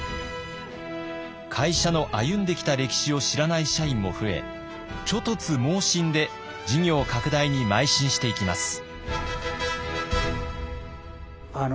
会社の歩んできた歴史を知らない社員も増え猪突猛進で事業拡大にまい進していきます。